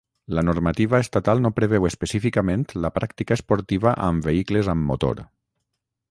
La normativa estatal no preveu específicament la pràctica esportiva amb vehicles amb motor.